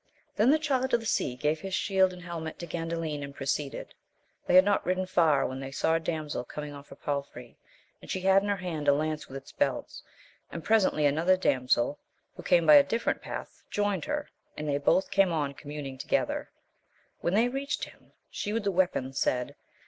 [HEN the Child of the Sea gave his shield and helmet to Gandalin, and proceeded. They had not ridden far, when they saw a damsel coming on her palfrey, and she had in her hand a lance with its belt, and presently another damsel, who came by a different path, joined her, and they both came on communing together. When they reached him, she with the weapon said.